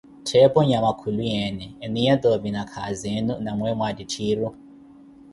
Ttheepo nyama khuluyeene eniya toovi nakhazi enu na weeyo waattitthiru?